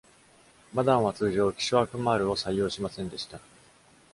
マダンは通常、キショアクマールを採用しませんでした。